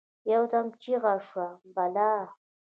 يودم چیغه شوه: «بلا!»